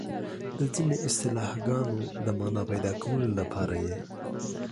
د ځینو اصطلاحګانو د مانا پيدا کولو لپاره یې